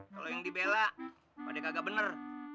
kalau yang dibela padahal kagak bener